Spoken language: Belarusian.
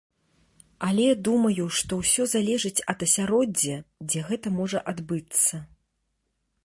Але, думаю, што ўсё залежыць ад асяроддзя, дзе гэта можа адбыцца.